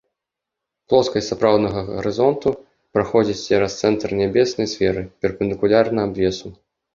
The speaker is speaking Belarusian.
Плоскасць сапраўднага гарызонту праходзіць цераз цэнтр нябеснай сферы перпендыкулярна адвесу.